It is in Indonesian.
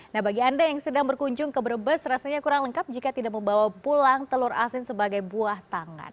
nah bagi anda yang sedang berkunjung ke brebes rasanya kurang lengkap jika tidak membawa pulang telur asin sebagai buah tangan